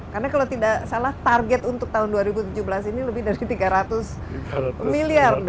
karena kalau tidak salah target untuk tahun dua ribu tujuh belas ini lebih dari tiga ratus miliar